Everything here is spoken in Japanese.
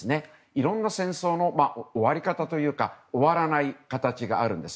いろんな戦争の終わり方というか終わらない形があるんです。